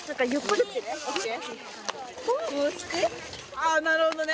あなるほどね。